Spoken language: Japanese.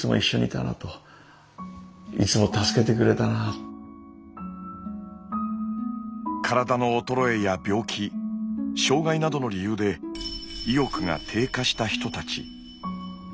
その時体の衰えや病気障がいなどの理由で意欲が低下した人たち。